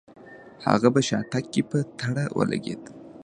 هغه په شاتګ کې په تړه ولګېد.